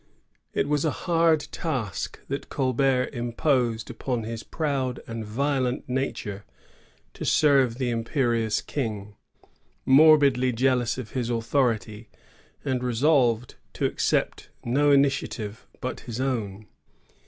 It was a hard task that Colbert imposed on his proud and violent nature to serve the imperious King, morbidly jealous of his authority, and resolved to accept no initiative but his own.